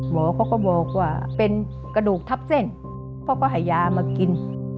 หมอเขาก็บอกว่าเป็นกระดูกทับเส้นเพราะก็ให้ยามากิน